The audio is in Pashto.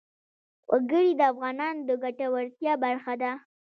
وګړي د افغانانو د ګټورتیا برخه ده.